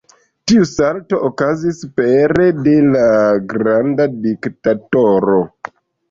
Tiu salto okazis pere de "La granda diktatoro".